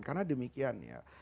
karena demikian ya